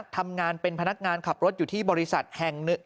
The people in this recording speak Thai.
ทำงานเป็นพนักงานขับรถอยู่ที่บริษัทแห่งหนึ่ง